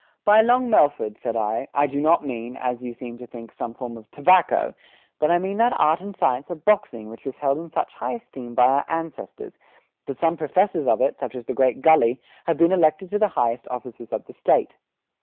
"By Long Melford," said I, "I do not mean, as you seem to think, some form of tobacco, but I mean that art and science of boxing which was held in such high esteem by our ancestors, that some famous professors of it, such as the great Gully, have been elected to the highest offices of the State.